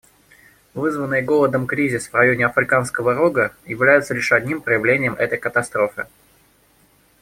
Вызванный голодом кризис в районе Африканского Рога является лишь одним проявлением этой катастрофы.